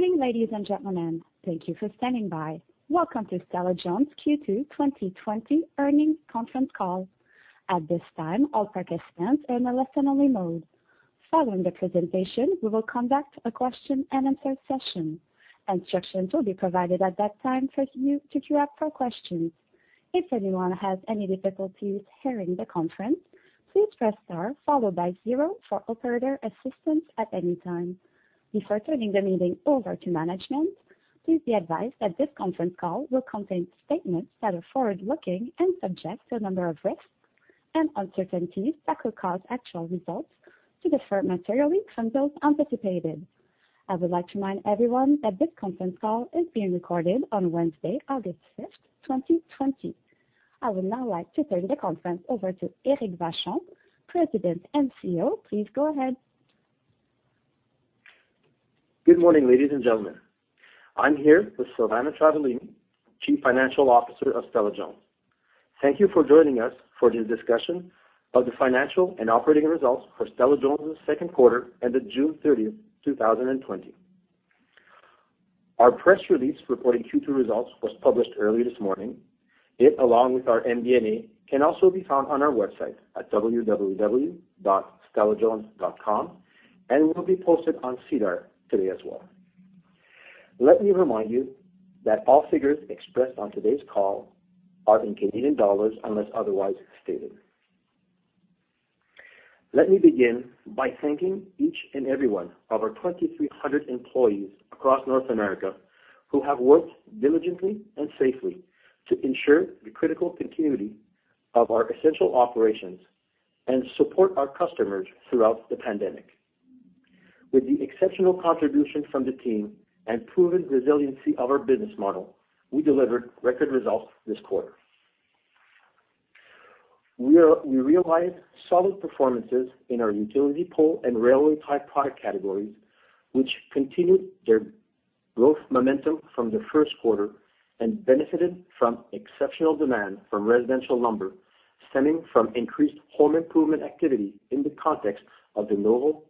Morning, ladies and gentlemen. Thank you for standing by. Welcome to Stella-Jones' Q2 2020 earnings conference call. At this time, all participants are in a listen-only mode. Following the presentation, we will conduct a question and answer session. Instructions will be provided at that time for you to queue up for questions. Before turning the meeting over to management, please be advised that this conference call will contain statements that are forward-looking and subject to a number of risks and uncertainties that could cause actual results to differ materially from those anticipated. I would like to remind everyone that this conference call is being recorded on Wednesday, August 5th, 2020. I would now like to turn the conference over to Éric Vachon, President and CEO. Please go ahead. Good morning, ladies and gentlemen. I'm here with Silvana Travaglini, Chief Financial Officer of Stella-Jones. Thank you for joining us for the discussion of the financial and operating results for Stella-Jones' second quarter ended June 30th, 2020. Our press release reporting Q2 results was published earlier this morning. It, along with our MD&A, can also be found on our website at www.stellajones.com and will be posted on SEDAR today as well. Let me remind you that all figures expressed on today's call are in Canadian dollars unless otherwise stated. Let me begin by thanking each and every one of our 2,300 employees across North America who have worked diligently and safely to ensure the critical continuity of our essential operations and support our customers throughout the pandemic. With the exceptional contribution from the team and proven resiliency of our business model, we delivered record results this quarter. We realized solid performances in our utility pole and railway tie product categories, which continued their growth momentum from the first quarter and benefited from exceptional demand for residential lumber stemming from increased home improvement activity in the context of the novel coronavirus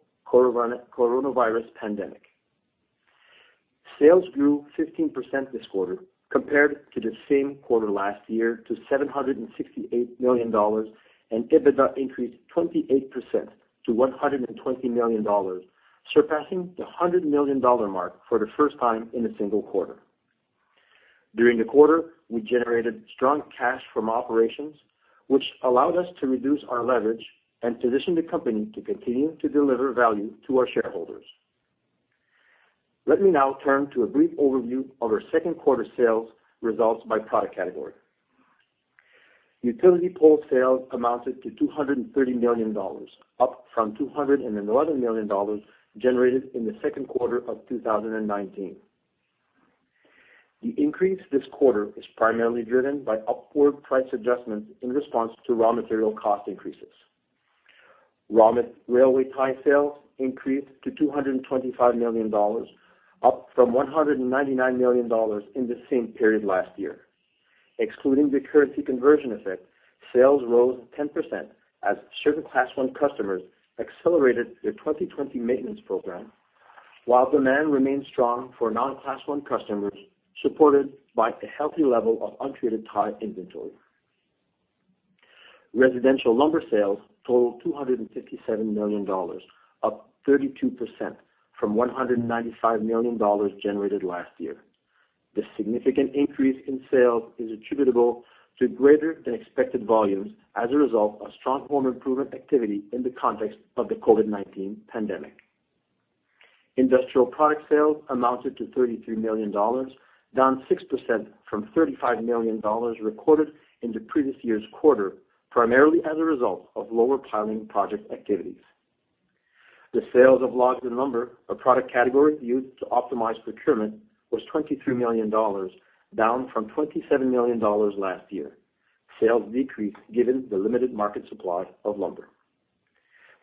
pandemic. Sales grew 15% this quarter compared to the same quarter last year to 768 million dollars, and EBITDA increased 28% to 120 million dollars, surpassing the 100 million dollar mark for the first time in a single quarter. During the quarter, we generated strong cash from operations, which allowed us to reduce our leverage and position the company to continue to deliver value to our shareholders. Let me now turn to a brief overview of our second quarter sales results by product category. Utility pole sales amounted to 230 million dollars, up from 211 million dollars generated in the second quarter of 2019. The increase this quarter is primarily driven by upward price adjustments in response to raw material cost increases. Raw railway tie sales increased to 225 million dollars, up from 199 million dollars in the same period last year. Excluding the currency conversion effect, sales rose 10% as certain Class I customers accelerated their 2020 maintenance program while demand remained strong for non-Class I customers supported by a healthy level of untreated tie inventory. Residential lumber sales totaled 257 million dollars, up 32% from 195 million dollars generated last year. The significant increase in sales is attributable to greater than expected volumes as a result of strong home improvement activity in the context of the COVID-19 pandemic. Industrial product sales amounted to 33 million dollars, down 6% from 35 million dollars recorded in the previous year's quarter, primarily as a result of lower piling project activities. The sales of logs and lumber, a product category used to optimize procurement, was 23 million dollars, down from 27 million dollars last year. Sales decreased given the limited market supply of lumber.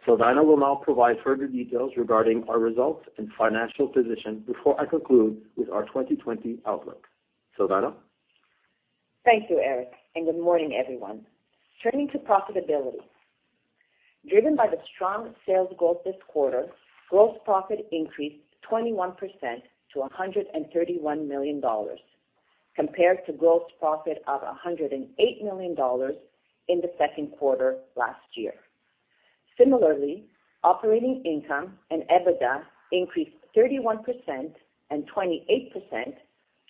Silvana will now provide further details regarding our results and financial position before I conclude with our 2020 outlook. Silvana? Thank you, Éric, and good morning, everyone. Turning to profitability. Driven by the strong sales growth this quarter, gross profit increased 21% to 131 million dollars compared to gross profit of 108 million dollars in the second quarter last year. Similarly, operating income and EBITDA increased 31% and 28%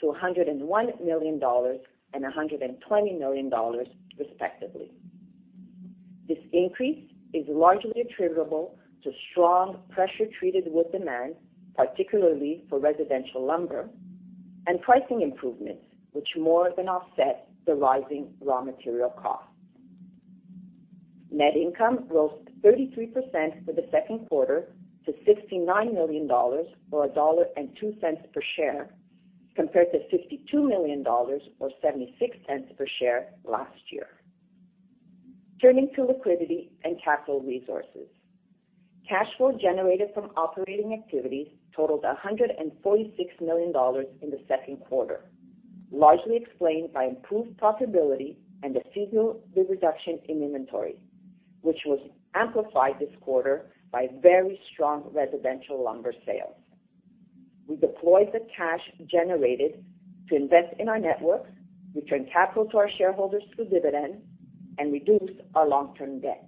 to 101 million dollars and 120 million dollars, respectively. This increase is largely attributable to strong pressure treated wood demand, particularly for residential lumber, and pricing improvements, which more than offset the rising raw material costs. Net income rose 33% for the second quarter to 69 million dollars, or 1.02 dollar per share, compared to 52 million dollars or 0.76 per share last year. Turning to liquidity and capital resources. Cash flow generated from operating activities totaled 146 million dollars in the second quarter. Largely explained by improved profitability and the seasonal reduction in inventory, which was amplified this quarter by very strong residential lumber sales. We deployed the cash generated to invest in our networks, return capital to our shareholders through dividends, and reduce our long-term debt.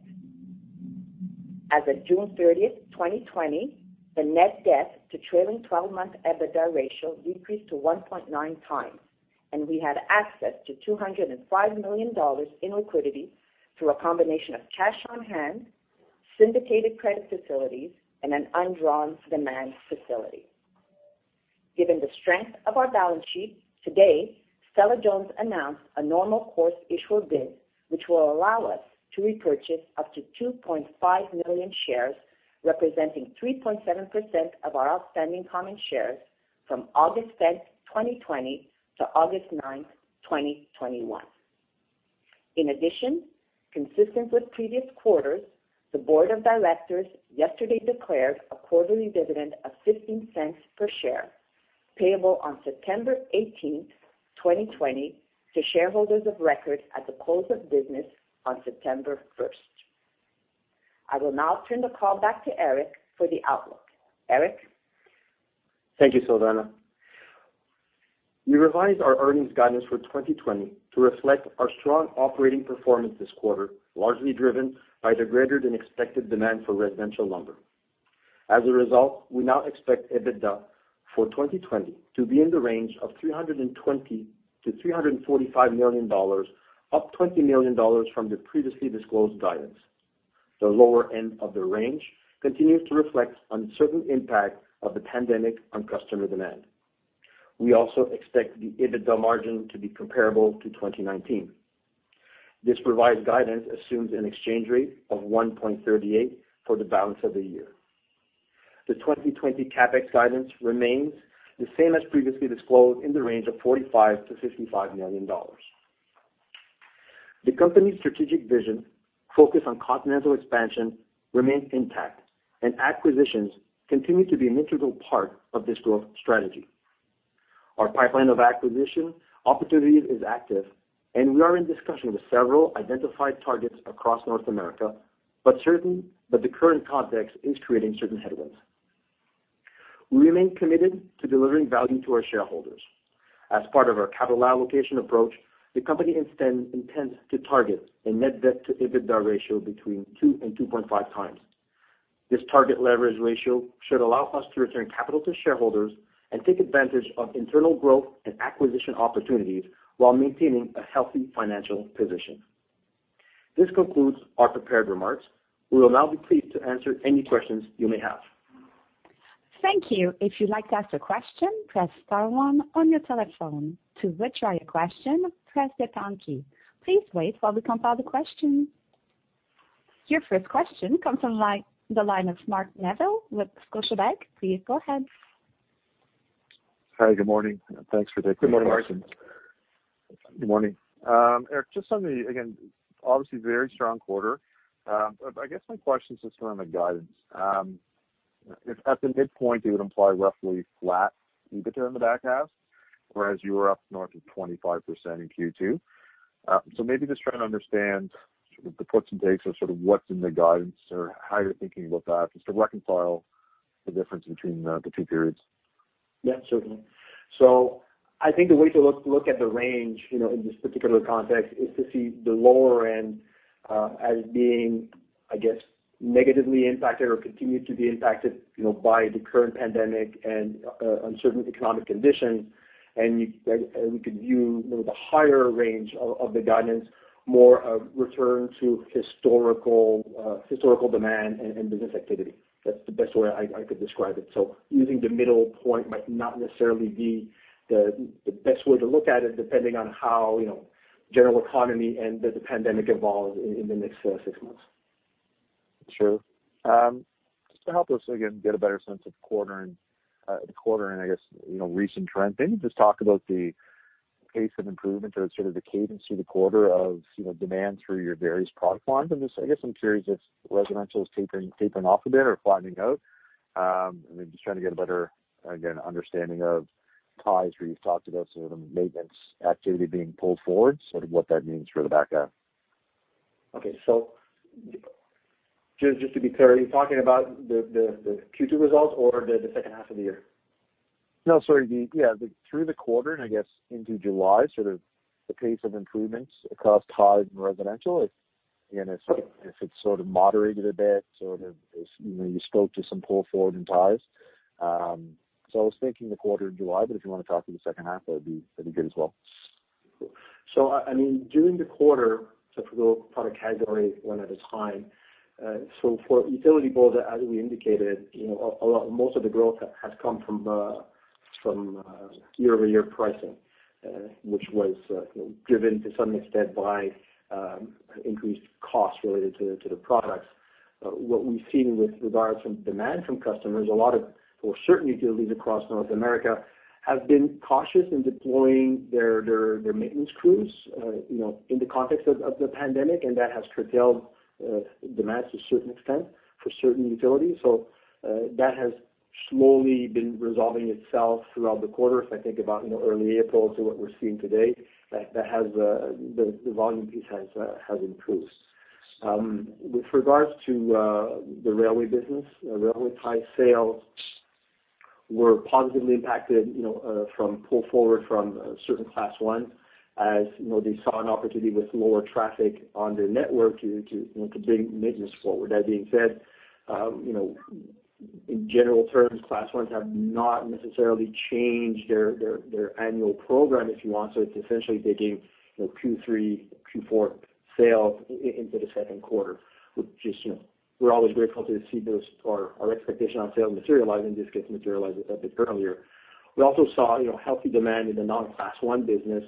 As of June 30th, 2020, the net debt to trailing 12-month EBITDA ratio decreased to 1.9 times, and we had access to 205 million dollars in liquidity through a combination of cash on hand, syndicated credit facilities, and an undrawn demand facility. Given the strength of our balance sheet, today, Stella-Jones announced a normal course issuer bid, which will allow us to repurchase up to 2.5 million shares, representing 3.7% of our outstanding common shares from August 5th, 2020 to August 9th, 2021. In addition, consistent with previous quarters, the board of directors yesterday declared a quarterly dividend of 0.15 per share, payable on September 18th, 2020, to shareholders of record at the close of business on September 1st. I will now turn the call back to Éric for the outlook. Éric? Thank you, Silvana. We revised our earnings guidance for 2020 to reflect our strong operating performance this quarter, largely driven by the greater-than-expected demand for residential lumber. As a result, we now expect EBITDA for 2020 to be in the range of 320 million-345 million dollars, up 20 million dollars from the previously disclosed guidance. The lower end of the range continues to reflect uncertain impact of the pandemic on customer demand. We also expect the EBITDA margin to be comparable to 2019. This revised guidance assumes an exchange rate of 1.38 for the balance of the year. The 2020 CapEx guidance remains the same as previously disclosed in the range of 45 million-55 million dollars. The company's strategic vision focused on continental expansion remains intact, and acquisitions continue to be an integral part of this growth strategy. Our pipeline of acquisition opportunities is active, and we are in discussion with several identified targets across North America, but the current context is creating certain headwinds. We remain committed to delivering value to our shareholders. As part of our capital allocation approach, the company intends to target a net debt to EBITDA ratio between 2x and 2.5x. This target leverage ratio should allow us to return capital to shareholders and take advantage of internal growth and acquisition opportunities while maintaining a healthy financial position. This concludes our prepared remarks. We will now be pleased to answer any questions you may have. Thank you, if you'd like to ask a question, press star one on your telephone. To widthdraw your question, please press the pound key. Please wait while we compile the questions. Your first question comes from the line of Mark Neville with Scotiabank. Please go ahead. Hi, good morning. Thanks for taking my question. Good morning, Mark. Good morning. Éric, just on the, again, obviously very strong quarter, but I guess my question is just around the guidance. If at the midpoint, it would imply roughly flat EBITDA in the back half, whereas you were up north of 25% in Q2. Maybe just trying to understand sort of the puts and takes of sort of what's in the guidance or how you're thinking about that, just to reconcile the difference between the two periods. Yeah, certainly. I think the way to look at the range in this particular context is to see the lower end as being, I guess, negatively impacted or continued to be impacted by the current pandemic and uncertain economic conditions. We could view the higher range of the guidance more a return to historical demand and business activity. That's the best way I could describe it. Using the middle point might not necessarily be the best way to look at it, depending on how general economy and the pandemic evolve in the next six months. Sure. Just to help us again, get a better sense of the quarter and, I guess, recent trending, just talk about the pace of improvement or sort of the cadence through the quarter of demand through your various product lines. I guess I'm curious if residential is tapering off a bit or flattening out. Just trying to get a better, again, understanding of ties where you've talked about sort of maintenance activity being pulled forward, sort of what that means for the back half. Okay. Just to be clear, are you talking about the Q2 results or the second half of the year? No, sorry. Yeah, through the quarter and I guess into July, sort of the pace of improvements across ties and residential. Again, if it sort of moderated a bit, sort of you spoke to some pull forward in ties. I was thinking the quarter in July, but if you want to talk to the second half, that'd be pretty good as well. During the quarter, if we go product category one at a time. For utility poles, as we indicated, most of the growth has come from year-over-year pricing, which was driven to some extent by increased costs related to the products. What we've seen with regards from demand from customers, a lot of, well, certain utilities across North America have been cautious in deploying their maintenance crews in the context of the pandemic, and that has curtailed demands to a certain extent for certain utilities. That has slowly been resolving itself throughout the quarter. If I think about early April to what we're seeing today, the volume piece has improved. With regards to the railway business, railway tie sales were positively impacted from pull forward from a certain Class I, as they saw an opportunity with lower traffic on their network to bring maintenance forward. That being said, in general terms, Class Is have not necessarily changed their annual program, if you want. It's essentially they gave Q3, Q4 sales into the second quarter, which is, we're always grateful to see our expectation on sale materialize, in this case, materialize a bit earlier. We also saw healthy demand in the non-Class I business.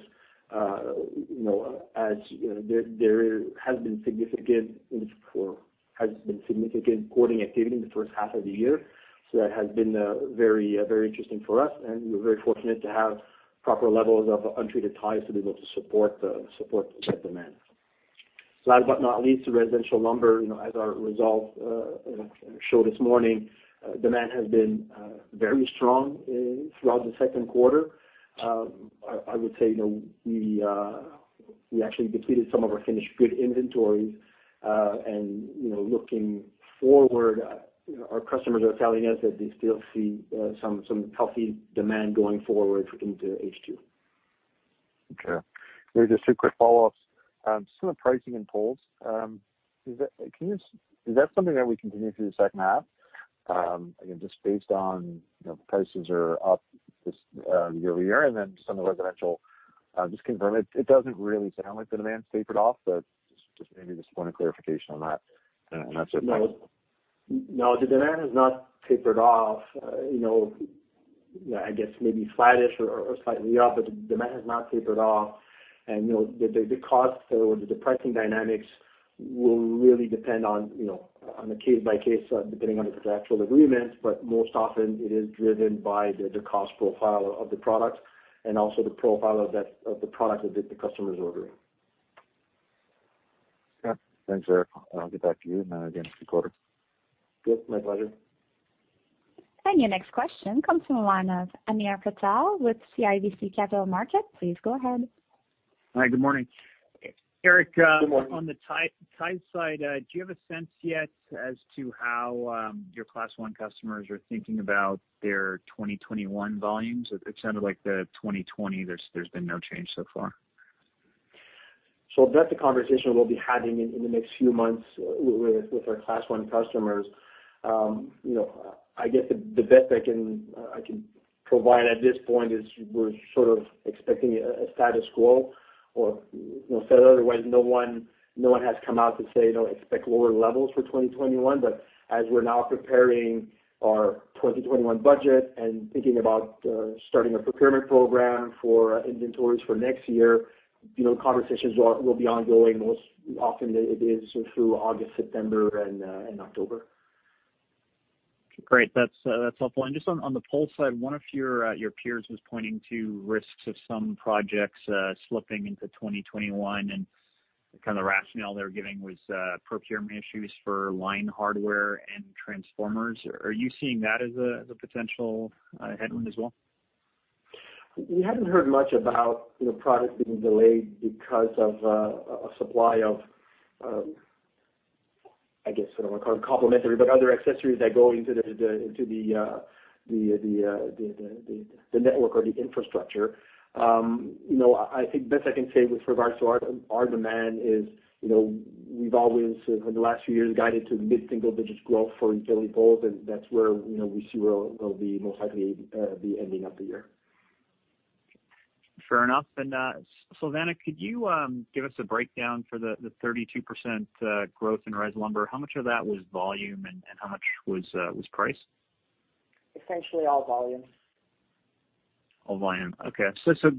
There has been significant porting activity in the first half of the year, so that has been very interesting for us, and we're very fortunate to have proper levels of untreated ties to be able to support that demand. Last but not least, the residential lumber, as our results show this morning, demand has been very strong throughout the second quarter. I would say, we actually depleted some of our finished good inventories. Looking forward, our customers are telling us that they still see some healthy demand going forward looking into H2. Okay. Maybe just two quick follow-ups. Some of the pricing in poles, is that something that we continue through the second half? Again, just based on the prices are up this year. Then some of the residential, just confirm, it doesn't really sound like the demand's tapered off, but just maybe just want a clarification on that. That's it. No. The demand has not tapered off. I guess maybe flat-ish or slightly up, the demand has not tapered off. The cost or the pricing dynamics will really depend on a case by case, depending on the contractual agreements, but most often it is driven by the cost profile of the product and also the profile of the product that the customer's ordering. Okay. Thanks, Éric. I'll get back to you again in a few quarters. Good. My pleasure. Your next question comes from the line of Hamir Patel with CIBC Capital Markets. Please go ahead. Hi. Good morning. Good morning. Éric, on the tie side, do you have a sense yet as to how your Class I customers are thinking about their 2021 volumes? It sounded like the 2020, there's been no change so far. That's a conversation we'll be having in the next few months with our Class I customers. I guess the best I can provide at this point is we're sort of expecting a status quo or said otherwise, no one has come out to say expect lower levels for 2021. As we're now preparing our 2021 budget and thinking about starting a procurement program for inventories for next year, conversations will be ongoing. Most often it is through August, September, and October. Great. That's helpful. Just on the pole side, one of your peers was pointing to risks of some projects slipping into 2021, kind of the rationale they were giving was procurement issues for line hardware and transformers. Are you seeing that as a potential headwind as well? We haven't heard much about products being delayed because of a supply of, I guess I don't want to call it complementary, but other accessories that go into the network or the infrastructure. I think best I can say with regards to our demand is, we've always, for the last few years, guided to mid-single-digit growth for utility poles, and that's where we see we'll most likely be ending up the year. Fair enough. Silvana, could you give us a breakdown for the 32% growth in res lumber? How much of that was volume and how much was price? Essentially all volume. All volume. Okay.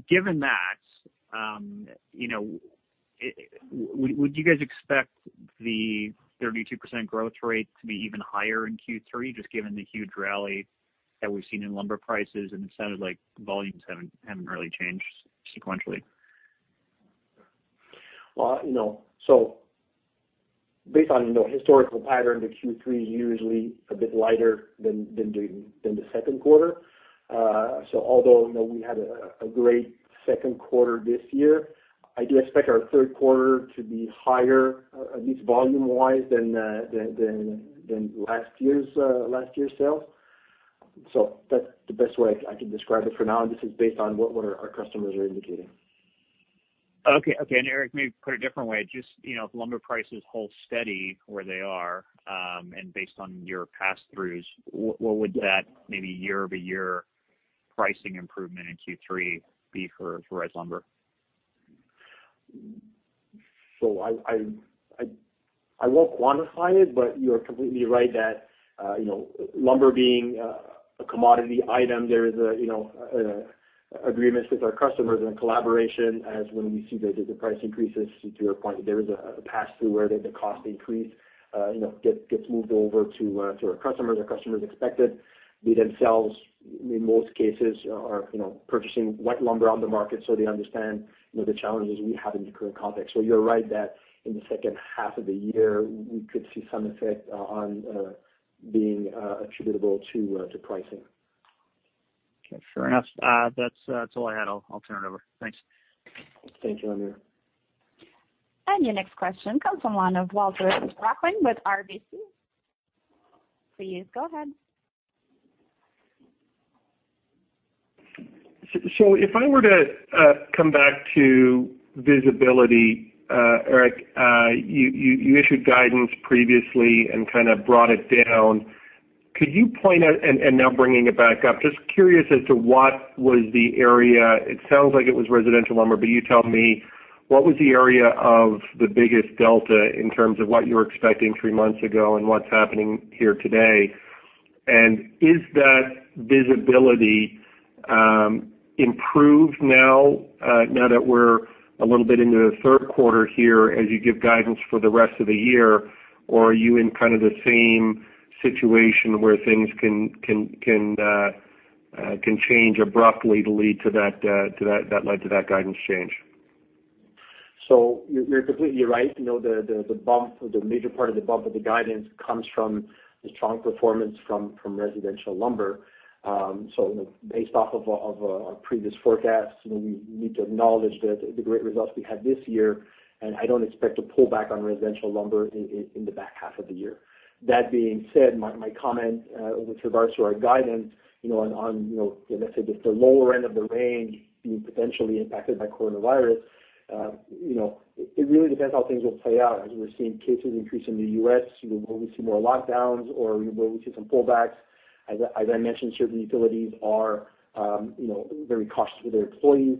Given that, would you guys expect the 32% growth rate to be even higher in Q3 just given the huge rally that we've seen in lumber prices? It sounded like volumes haven't really changed sequentially. Well, based on historical pattern, the Q3 usually a bit lighter than the second quarter. Although we had a great second quarter this year, I do expect our third quarter to be higher, at least volume wise, than last year's sales. That's the best way I can describe it for now, and this is based on what our customers are indicating. Okay. Éric, maybe put a different way, just if lumber prices hold steady where they are, based on your pass-throughs, what would that maybe year-over-year pricing improvement in Q3 be for res lumber? I won't quantify it, but you're completely right that lumber being a commodity item, there is agreements with our customers and collaboration as when we see the price increases, to your point, there is a pass-through where the cost increase gets moved over to our customers. Our customers expect it. They themselves, in most cases, are purchasing white lumber on the market, so they understand the challenges we have in the current context. You're right that in the second half of the year, we could see some effect on being attributable to pricing. Okay, fair enough. That's all I had. I'll turn it over. Thanks. Thank you, Hamir. Your next question comes from the line of Walter Spracklin with RBC. Please go ahead. If I were to come back to visibility, Éric, you issued guidance previously and kind of brought it down. Could you point out now bringing it back up, just curious as to what was the area. It sounds like it was residential lumber, you tell me, what was the area of the biggest delta in terms of what you were expecting three months ago and what's happening here today? Is that visibility improved now that we're a little bit into the third quarter here, as you give guidance for the rest of the year? Are you in kind of the same situation where things can change abruptly to lead to that guidance change? You're completely right. The major part of the bump of the guidance comes from the strong performance from residential lumber. Based off of our previous forecasts, we need to acknowledge the great results we had this year, and I don't expect to pull back on residential lumber in the back half of the year. That being said, my comment with regards to our guidance on, let's say, the lower end of the range being potentially impacted by coronavirus. It really depends how things will play out, as we're seeing cases increase in the U.S., will we see more lockdowns or will we see some pullbacks? As I mentioned, certain utilities are very cautious with their employees.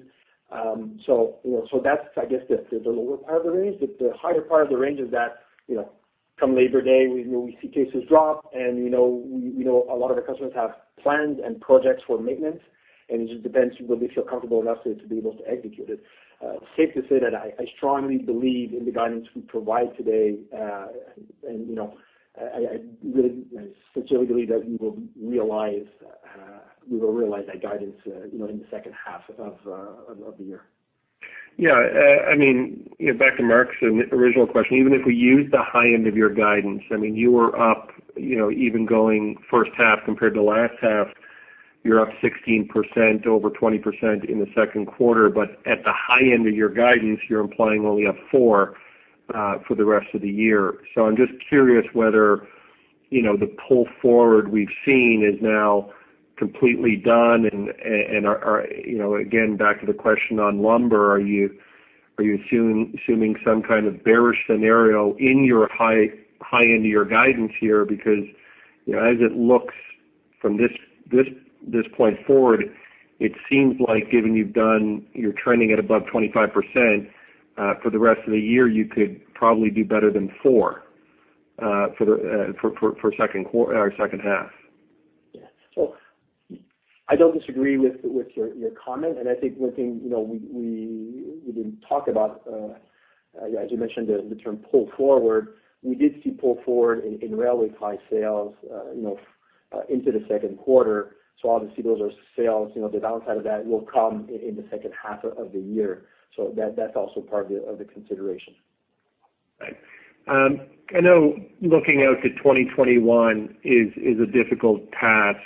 That's, I guess, the lower part of the range. The higher part of the range is that, come Labor Day, we see cases drop and we know a lot of the customers have plans and projects for maintenance, and it just depends, will they feel comfortable enough to be able to execute it? Safe to say that I strongly believe in the guidance we provide today. I really sincerely believe that we will realize that guidance in the second half of the year. Yeah. Back to Mark's original question, even if we use the high end of your guidance, you are up even going first half compared to last half, you're up 16%, over 20% in the second quarter, but at the high end of your guidance, you're implying only a four for the rest of the year. I'm just curious whether the pull forward we've seen is now completely done. Again, back to the question on lumber, are you assuming some kind of bearish scenario in your high end of your guidance here? As it looks from this point forward, it seems like given you're trending at above 25% for the rest of the year, you could probably do better than four for second half. Yeah. I don't disagree with your comment. I think one thing we didn't talk about, as you mentioned, the term pull forward, we did see pull forward in relatively high sales into the second quarter. Obviously those are sales. The downside of that will come in the second half of the year. That's also part of the consideration. Right. I know looking out to 2021 is a difficult task.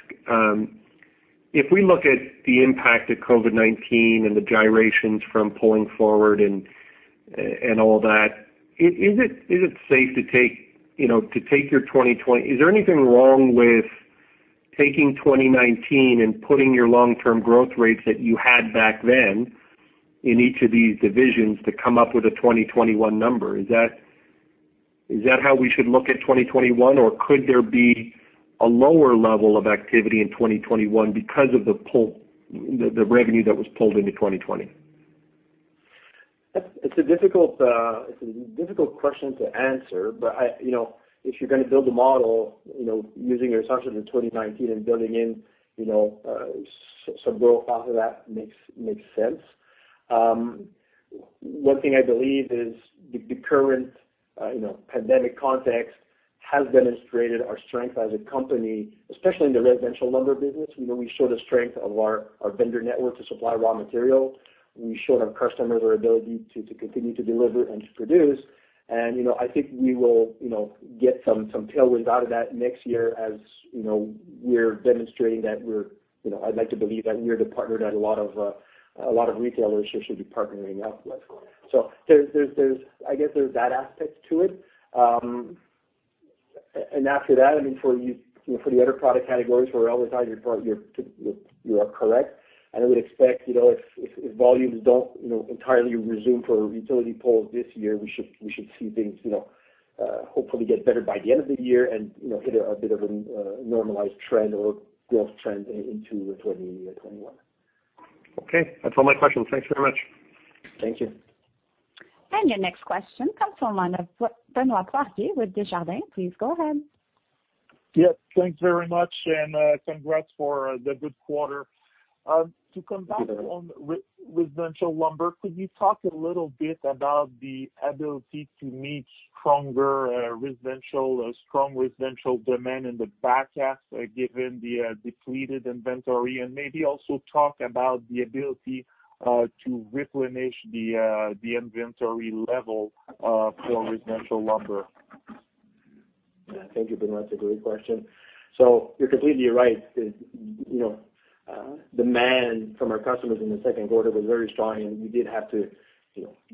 If we look at the impact of COVID-19 and the gyrations from pulling forward and all that, is it safe to take your, is there anything wrong with taking 2019 and putting your long-term growth rates that you had back then in each of these divisions to come up with a 2021 number? Is that how we should look at 2021, or could there be a lower level of activity in 2021 because of the revenue that was pulled into 2020? It's a difficult question to answer, but if you're going to build a model using your assumptions in 2019 and building in some growth out of that makes sense. One thing I believe is the current pandemic context has demonstrated our strength as a company, especially in the residential lumber business. We showed the strength of our vendor network to supply raw material. We showed our customers our ability to continue to deliver and to produce. And I think we will get some tailwinds out of that next year as we're demonstrating that I'd like to believe that we are the partner that a lot of retailers should be partnering up with. So I guess there's that aspect to it. After that, for the other product categories where else you are correct, and I would expect if volumes don't entirely resume for utility poles this year, we should see things hopefully get better by the end of the year and hit a bit of a normalized trend or growth trend into 2021. Okay. That's all my questions. Thanks very much. Thank you. Your next question comes from the line of Benoit Poirier with Desjardins. Please go ahead. Yeah. Thanks very much and congrats for the good quarter. To come back on residential lumber, could you talk a little bit about the ability to meet strong residential demand in the back half, given the depleted inventory? Maybe also talk about the ability to replenish the inventory level for residential lumber? Thank you, Benoit. That's a great question. You're completely right. Demand from our customers in the second quarter was very strong, and we did have to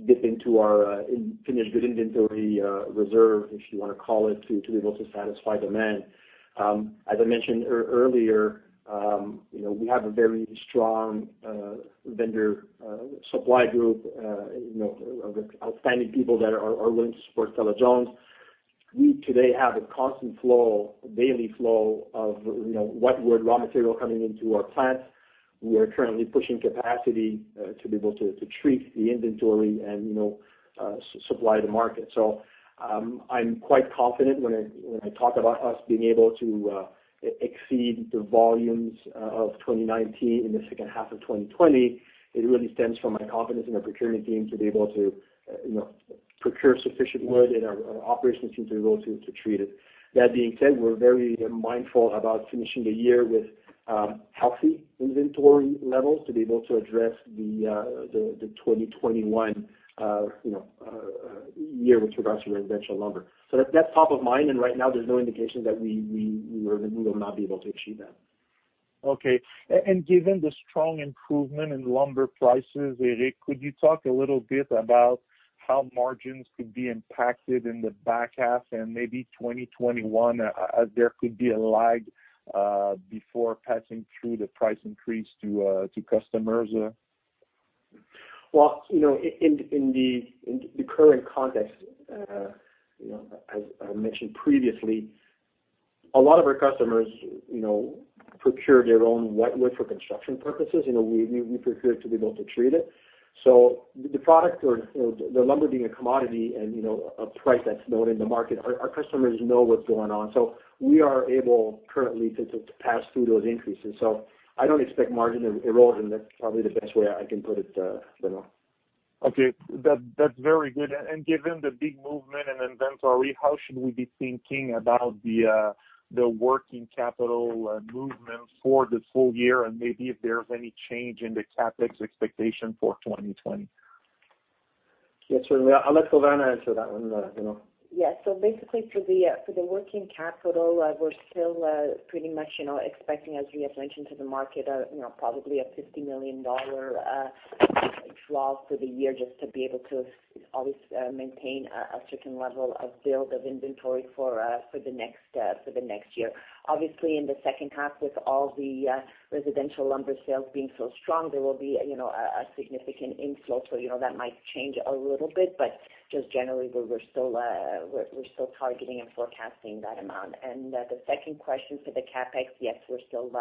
dip into our finished good inventory reserve, if you want to call it, to be able to satisfy demand. As I mentioned earlier we have a very strong vendor supply group of outstanding people that are willing to support Stella-Jones. We today have a constant flow, a daily flow of wet wood raw material coming into our plants. We are currently pushing capacity to be able to treat the inventory and supply the market. I'm quite confident when I talk about us being able to exceed the volumes of 2019 in the second half of 2020. It really stems from my confidence in our procurement team to be able to procure sufficient wood and our operations team to be able to treat it. That being said, we're very mindful about finishing the year with healthy inventory levels to be able to address the 2021 year with regards to residential lumber. That's top of mind, and right now there's no indication that we will not be able to achieve that. Okay. Given the strong improvement in lumber prices, Éric, could you talk a little bit about how margins could be impacted in the back half and maybe 2021, as there could be a lag before passing through the price increase to customers? Well, in the current context, as I mentioned previously, a lot of our customers procure their own wet wood for construction purposes. We procure it to be able to treat it. The lumber being a commodity and a price that's known in the market, our customers know what's going on. We are able currently to pass through those increases. I don't expect margin erosion. That's probably the best way I can put it, Benoit. Okay. That's very good. Given the big movement in inventory, how should we be thinking about the working capital movement for the full year and maybe if there's any change in the CapEx expectation for 2020? Yeah, sure. I'll let Silvana answer that one, Benoit. Basically for the working capital, we're still pretty much expecting, as we had mentioned to the market, probably a 50 million dollar draw for the year just to be able to always maintain a certain level of build of inventory for the next year. Obviously in the second half with all the residential lumber sales being so strong, there will be a significant inflow. That might change a little bit, but just generally, we're still targeting and forecasting that amount. The second question for the CapEx, yes, we're still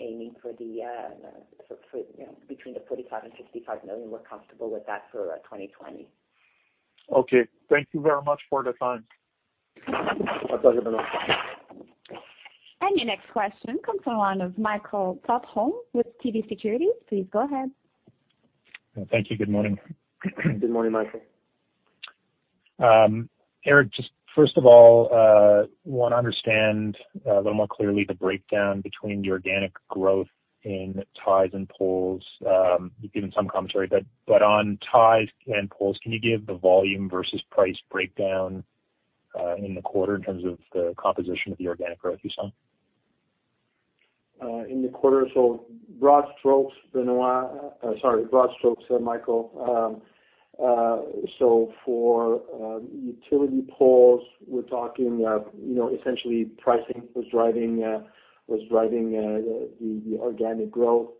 aiming for between the 45 million-65 million. We're comfortable with that for 2020. Okay. Thank you very much for the time. My pleasure, Benoit. Your next question comes from the line of Michael Tupholme with TD Securities. Please go ahead. Thank you. Good morning. Good morning, Michael. Éric, just first of all, want to understand a little more clearly the breakdown between the organic growth in ties and poles. You've given some commentary, on ties and poles, can you give the volume versus price breakdown in the quarter in terms of the composition of the organic growth you saw? In the quarter, broad strokes, Benoit-- Sorry, broad strokes, Michael. For utility poles, we're talking essentially pricing was driving the organic growth.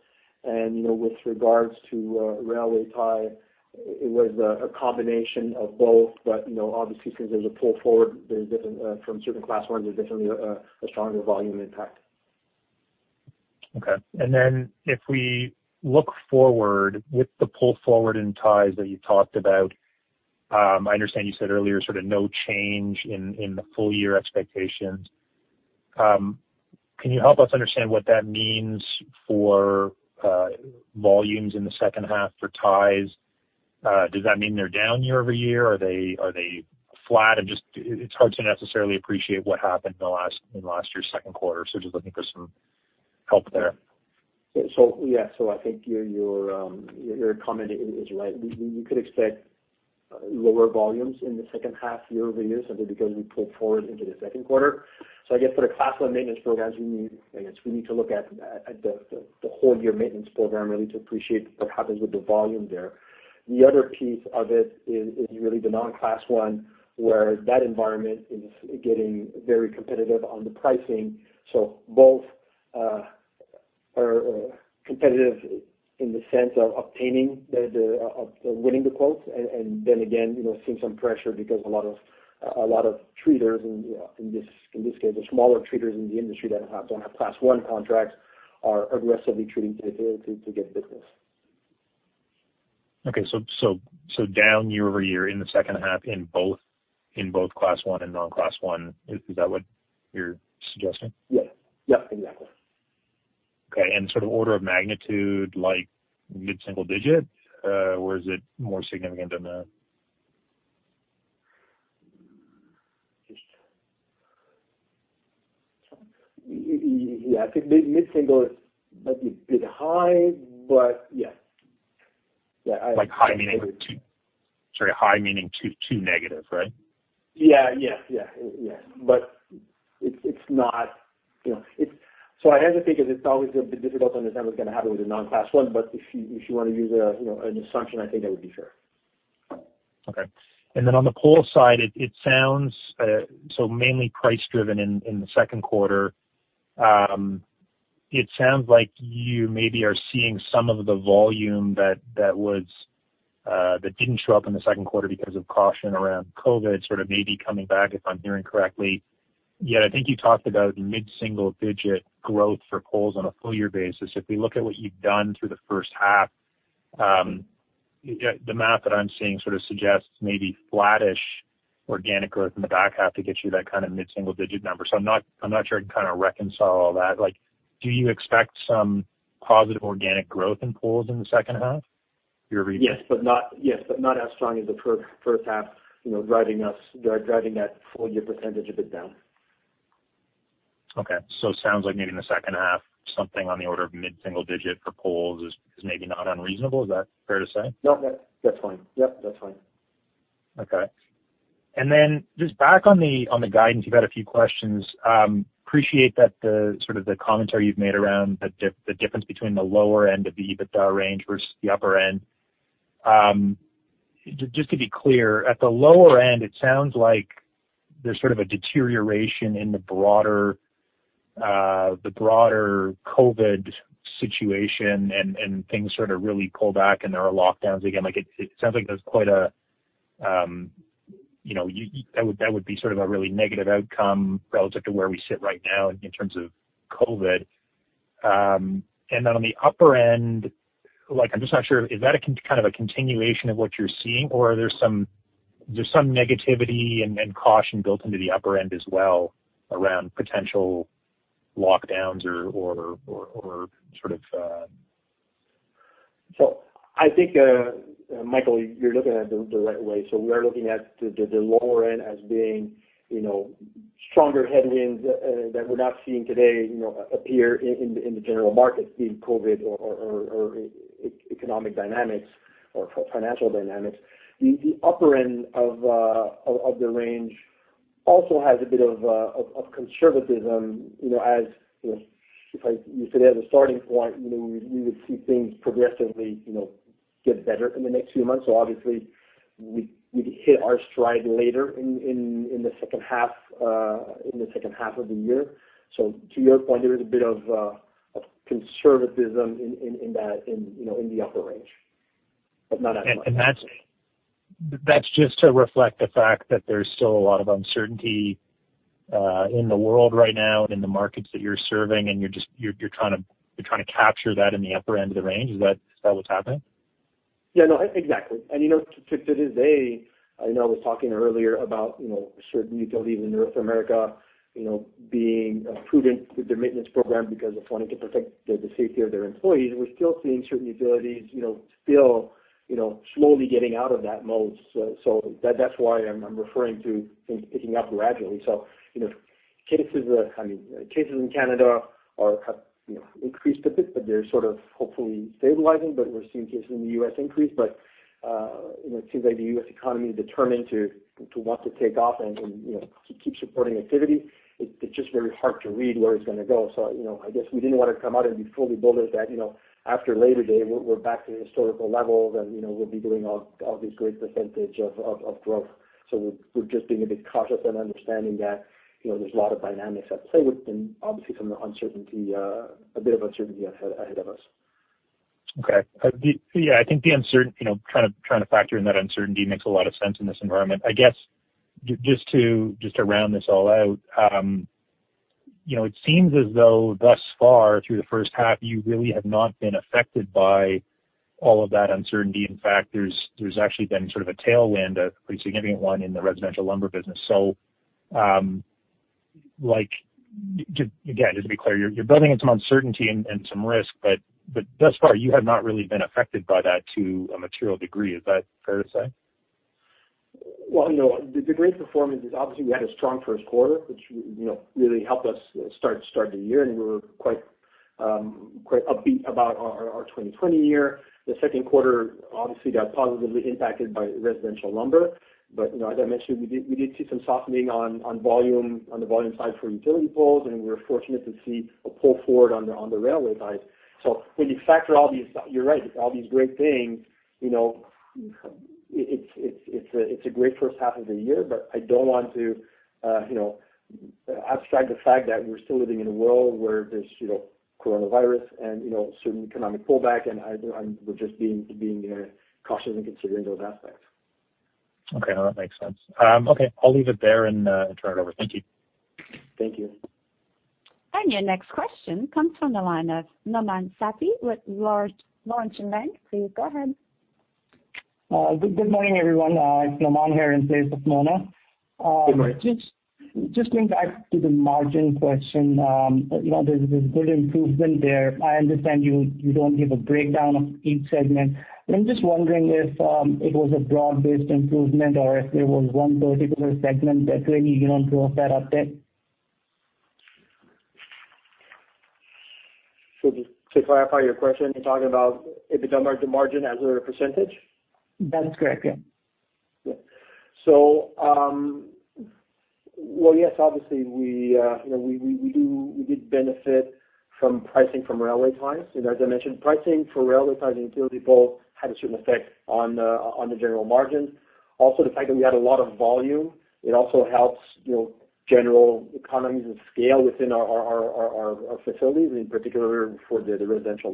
With regards to railway tie, it was a combination of both. Obviously because there's a pull forward from certain Class I's, there's definitely a stronger volume impact. Okay. If we look forward with the pull forward in ties that you talked about, I understand you said earlier sort of no change in the full year expectations. Can you help us understand what that means for volumes in the second half for ties? Does that mean they're down year-over-year? Are they flat? It's hard to necessarily appreciate what happened in last year's second quarter. Just looking for some help there. Yeah. I think your comment is right. We could expect lower volumes in the second half year-over-year, simply because we pulled forward into the second quarter. I guess for the Class I maintenance programs, I guess we need to look at the whole year maintenance program really to appreciate what happens with the volume there. The other piece of it is really the non-Class I, where that environment is getting very competitive on the pricing. Both are competitive in the sense of obtaining, of winning the quotes and then again, seeing some pressure because a lot of treaters, in this case, the smaller treaters in the industry that don't have Class I contracts, are aggressively treating to get business. Okay. down year-over-year in the second half in both Class I and non-Class I. Is that what you're suggesting? Yes. Exactly. Okay. sort of order of magnitude, like mid-single digit? Or is it more significant than that? Yeah. I think mid-single might be a bit high, but yes. Like high, meaning -2, right? Yeah. It's not So I hesitate because it's always a bit difficult to understand what's going to happen with a non-Class I, but if you want to use an assumption, I think that would be fair. Okay. Then on the pole side, mainly price-driven in the second quarter. It sounds like you maybe are seeing some of the volume that didn't show up in the second quarter because of caution around COVID-19 sort of maybe coming back, if I'm hearing correctly. I think you talked about mid-single digit growth for poles on a full-year basis. If we look at what you've done through the first half, the math that I'm seeing sort of suggests maybe flattish organic growth in the back half to get you that kind of mid-single digit number. I'm not sure I can kind of reconcile all that. Do you expect some positive organic growth in poles in the second half, year-over-year? Yes, but not as strong as the first half driving that full-year percentage a bit down. Okay. Sounds like maybe in the second half, something on the order of mid-single digit for poles is maybe not unreasonable. Is that fair to say? No, that's fine. Yep, that's fine. Okay. Just back on the guidance, you've had a few questions. Appreciate that the sort of the commentary you've made around the difference between the lower end of the EBITDA range versus the upper end. Just to be clear, at the lower end, it sounds like there's sort of a deterioration in the broader COVID-19 situation and things sort of really pull back and there are lockdowns again. It sounds like that would be sort of a really negative outcome relative to where we sit right now in terms of COVID-19. On the upper end, I'm just not sure, is that a kind of a continuation of what you're seeing or are there some negativity and caution built into the upper end as well around potential lockdowns or sort of- I think, Michael, you're looking at it the right way. We are looking at the lower end as being stronger headwinds that we're not seeing today appear in the general markets being COVID or economic dynamics or financial dynamics. The upper end of the range also has a bit of conservatism as, if I use it as a starting point, we would see things progressively get better in the next few months. Obviously we'd hit our stride later in the second half of the year. To your point, there is a bit of conservatism in the upper range, but not as much. That's just to reflect the fact that there's still a lot of uncertainty in the world right now and in the markets that you're serving and you're trying to capture that in the upper end of the range. Is that what's happening? Yeah. No, exactly. To today, I know I was talking earlier about certain utilities in North America being prudent with their maintenance program because of wanting to protect the safety of their employees. We're still seeing certain utilities still slowly getting out of that mode. That's why I'm referring to things picking up gradually. Cases in Canada have increased a bit, but they're sort of hopefully stabilizing. We're seeing cases in the U.S. increase, but it seems like the U.S. economy is determined to want to take off and to keep supporting activity. It's just very hard to read where it's going to go. I guess we didn't want to come out and be fully bullish that after Labor Day, we're back to historical levels and we'll be doing all this great percentage of growth. We're just being a bit cautious and understanding that there's a lot of dynamics at play with them, obviously from the uncertainty, a bit of uncertainty ahead of us. Yeah, I think trying to factor in that uncertainty makes a lot of sense in this environment. I guess just to round this all out, it seems as though thus far through the first half, you really have not been affected by all of that uncertainty. In fact, there's actually been sort of a tailwind, a pretty significant one in the residential lumber business. Again, just to be clear, you're building in some uncertainty and some risk, but thus far you have not really been affected by that to a material degree. Is that fair to say? Well, the great performance is obviously we had a strong first quarter, which really helped us start the year and we were quite upbeat about our 2020. The second quarter obviously got positively impacted by residential lumber. As I mentioned, we did see some softening on the volume side for utility poles and we were fortunate to see a pull forward on the railway side. When you factor all these-- you're right, all these great things, it's a great first half of the year, but I don't want to distract the fact that we're still living in a world where there's coronavirus and certain economic pullback, we're just being cautious and considering those aspects. Okay. No, that makes sense. Okay, I'll leave it there and turn it over. Thank you. Thank you. Your next question comes from the line of Nauman Satti with Laurentian Bank. Please go ahead. Good morning, everyone. It's Nauman here in place of Mona. Good morning. Just going back to the margin question, there is good improvement there. I understand you don't give a breakdown of each segment, I'm just wondering if it was a broad-based improvement or if there was one particular segment that really drove that update? Just to clarify your question, you're talking about EBITDA margin as a percentage? That is correct, yeah. Yeah. Well, yes, obviously, we did benefit from pricing from railway ties. As I mentioned, pricing for railway ties and utility poles had a certain effect on the general margins. The fact that we had a lot of volume, it also helps general economies of scale within our facilities, and in particular, for the residential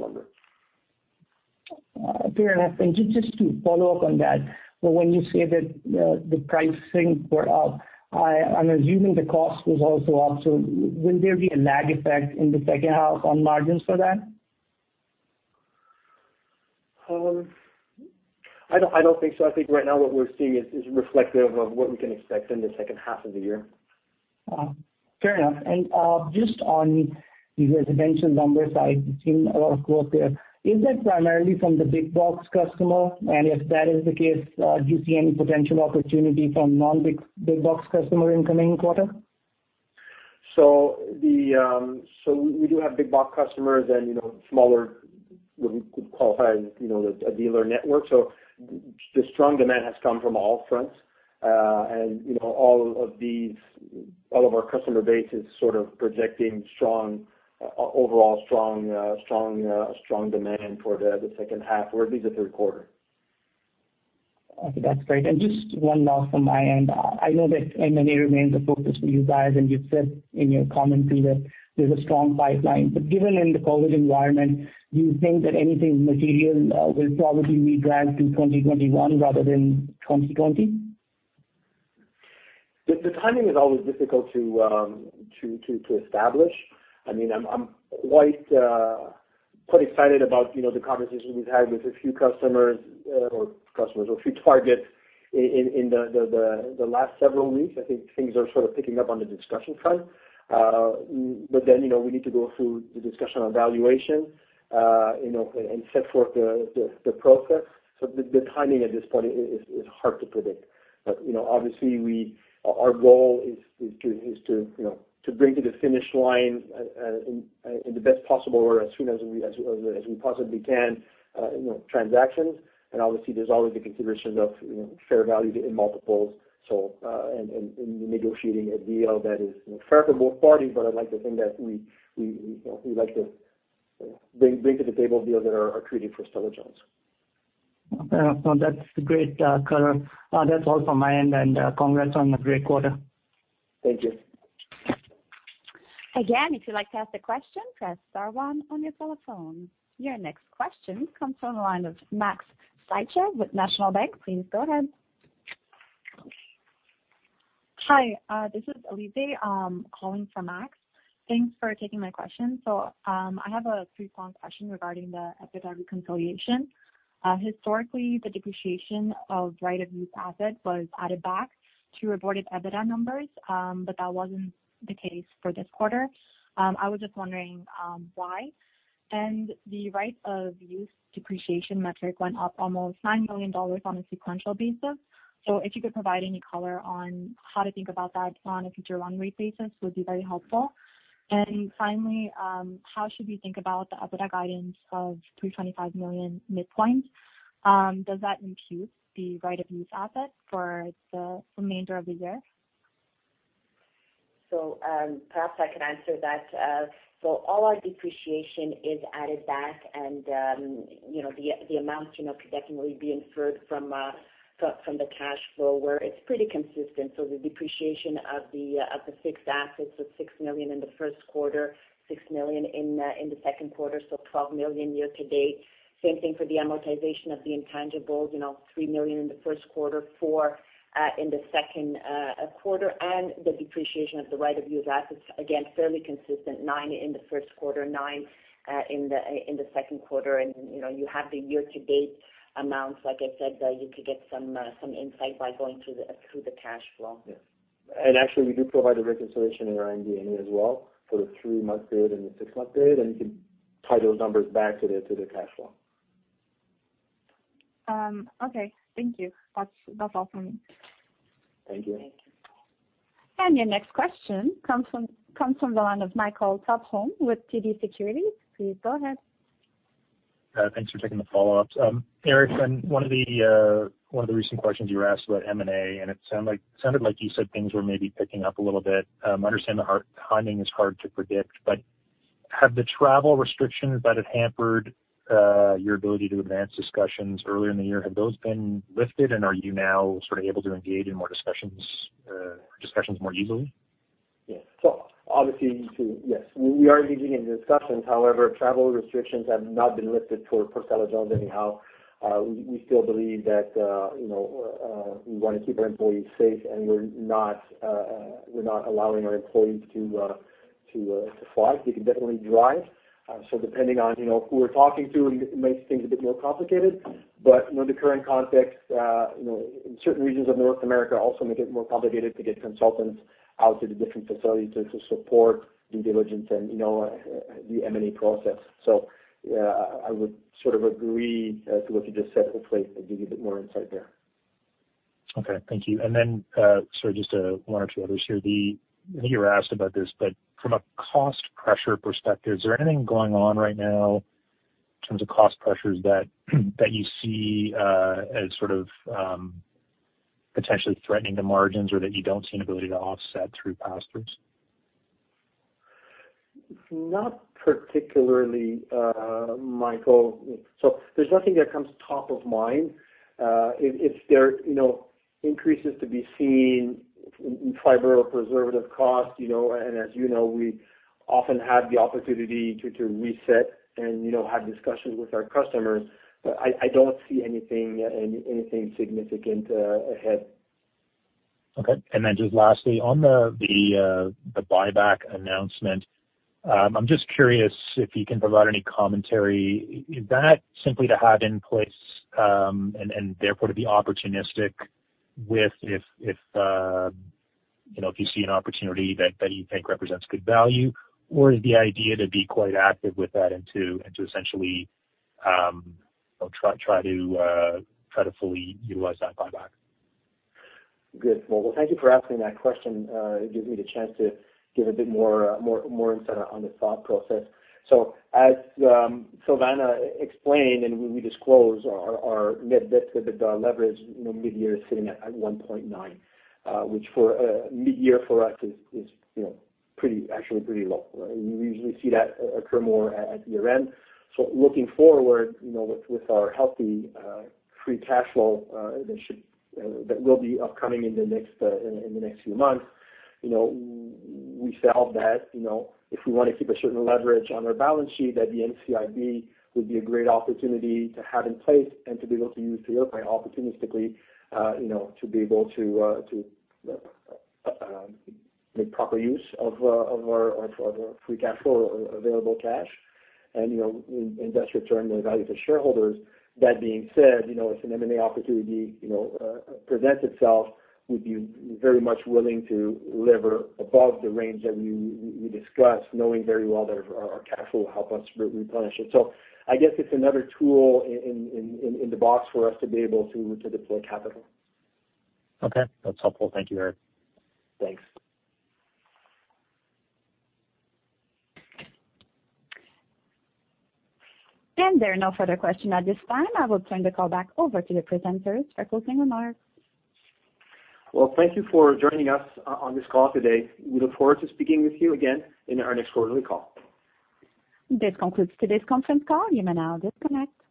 lumber. Fair enough. Just to follow up on that, when you say that the pricing were up, I'm assuming the cost was also up. Will there be a lag effect in the second half on margins for that? I don't think so. I think right now what we're seeing is reflective of what we can expect in the second half of the year. Fair enough. Just on the residential lumber, I've seen a lot of growth there. Is that primarily from the big box customer? If that is the case, do you see any potential opportunity from non-big box customer in coming quarter? We do have big box customers and smaller, what we could qualify as a dealer network. The strong demand has come from all fronts. All of our customer base is sort of projecting overall strong demand for the second half or at least the third quarter. Okay, that's great. Just one last from my end. I know that M&A remains a focus for you guys, and you've said in your commentary that there's a strong pipeline. Given in the COVID environment, do you think that anything material will probably be dragged to 2021 rather than 2020? The timing is always difficult to establish. I'm quite excited about the conversations we've had with a few customers or a few targets in the last several weeks. I think things are sort of picking up on the discussion front. We need to go through the discussion on valuation and set forth the process. The timing at this point is hard to predict. Obviously our goal is to bring to the finish line in the best possible or as soon as we possibly can, transactions. Obviously, there's always the considerations of fair value in multiples, and negotiating a deal that is fair for both parties. I'd like to think that we like to bring to the table deals that are accretive for Stella-Jones. Okay. No, that's great color. That's all from my end, and congrats on a great quarter. Thank you. If you'd like to ask a question, press star one on your telephone. Your next question comes from the line of Max Sytchev with National Bank. Please go ahead. Hi, this is Elise calling for Max. Thanks for taking my question. I have a two-prong question regarding the EBITDA reconciliation. Historically, the depreciation of right-of-use assets was added back to reported EBITDA numbers, but that wasn't the case for this quarter. I was just wondering why. The right-of-use depreciation metric went up almost 9 million dollars on a sequential basis. If you could provide any color on how to think about that on a future runway basis, would be very helpful. Finally, how should we think about the EBITDA guidance of 325 million midpoint? Does that include the right-of-use asset for the remainder of the year? Perhaps I can answer that. All our depreciation is added back and the amount can definitely be inferred from the cash flow where it's pretty consistent. The depreciation of the fixed assets was 6 million in the first quarter, 6 million in the second quarter, 12 million year to date. Same thing for the amortization of the intangibles, 3 million in the first quarter, 4 million in the second quarter. The depreciation of the right-of-use assets, again, fairly consistent, 9 million in the first quarter, 9 million in the second quarter. You have the year to date amounts, like I said, you could get some insight by going through the cash flow. Yes. Actually, we do provide a reconciliation in our MD&A as well for the three-month period and the six-month period, and you can tie those numbers back to the cash flow. Okay. Thank you. That's all from me. Thank you. Thank you. Your next question comes from the line of Michael Tupholme with TD Securities. Please go ahead. Thanks for taking the follow-up. Éric, in one of the recent questions you were asked about M&A, and it sounded like you said things were maybe picking up a little bit. I understand the timing is hard to predict, but have the travel restrictions that have hampered your ability to advance discussions earlier in the year, have those been lifted and are you now sort of able to engage in discussions more easily? Yes. Obviously, yes, we are engaging in discussions. However, travel restrictions have not been lifted for Stella-Jones anyhow. We still believe that we want to keep our employees safe, and we're not allowing our employees to fly. They can definitely drive. Depending on who we're talking to, it makes things a bit more complicated. The current context in certain regions of North America also make it more complicated to get consultants out to the different facilities to support due diligence and the M&A process. I would sort of agree to what you just said. Hopefully, I gave you a bit more insight there. Okay. Thank you. Sorry, just one or two others here. I think you were asked about this, from a cost pressure perspective, is there anything going on right now in terms of cost pressures that you see as sort of potentially threatening the margins or that you don't see an ability to offset through pass-throughs? Not particularly, Michael. There's nothing that comes top of mind. If there increases to be seen in fiber or preservative costs, and as you know, we often have the opportunity to reset and have discussions with our customers, but I don't see anything significant ahead. Okay. Just lastly, on the buyback announcement, I'm just curious if you can provide any commentary. Is that simply to have in place, and therefore, to be opportunistic if you see an opportunity that you think represents good value, or is the idea to be quite active with that and to essentially try to fully utilize that buyback? Good. Well, thank you for asking that question. It gives me the chance to give a bit more insight on this thought process. As Silvana explained, and we disclose our net debt to EBITDA leverage, mid-year is sitting at 1.9, which for mid-year for us is actually pretty low. We usually see that occur more at year-end. Looking forward, with our healthy free cash flow that will be upcoming in the next few months. We felt that if we want to keep a certain leverage on our balance sheet, that the NCIB would be a great opportunity to have in place and to be able to use, to your point, opportunistically to be able to make proper use of our free cash flow or available cash and in investor term, the value for shareholders. That being said, if an M&A opportunity presents itself, we'd be very much willing to lever above the range that we discussed, knowing very well that our cash flow will help us replenish it. I guess it's another tool in the box for us to be able to deploy capital. Okay. That's helpful. Thank you, Éric. Thanks. There are no further questions at this time. I will turn the call back over to the presenters for closing remarks. Well, thank you for joining us on this call today. We look forward to speaking with you again in our next quarterly call. This concludes today's conference call. You may now disconnect.